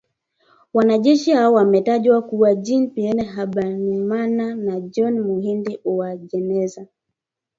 Wanajeshi hao wametajwa kuwa Jean Pierre Habyarimana Na John Muhindi Uwajeneza,